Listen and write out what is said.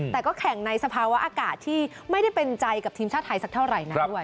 แต่ก็แข่งในสภาวะอากาศที่ไม่ได้เป็นใจกับทีมชาติไทยสักเท่าไหร่นักด้วย